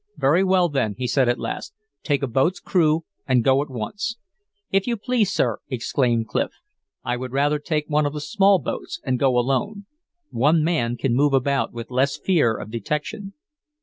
"Very well, then," he said at last. "Take a boat's crew and go at once." "If you please, sir," exclaimed Clif, "I would rather take one of the small boats and go alone. One man can move about with less fear of detection."